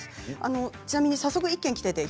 ちなみに早速１件きています。